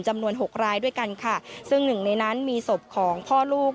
หกรายด้วยกันค่ะซึ่งหนึ่งในนั้นมีศพของพ่อลูก